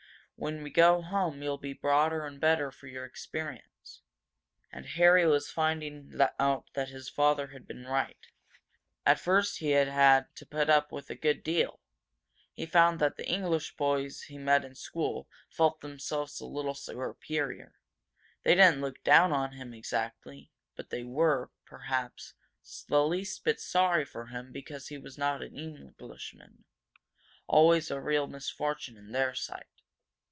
When we go home you'll be broader and better for your experience." And Harry was finding out that his father had been right. At first he had to put up with a good deal. He found that the English boys he met in school felt themselves a little superior. They didn't look down on him, exactly, but they were, perhaps the least bit sorry for him because he was not an Englishman, always a real misfortune in their sight.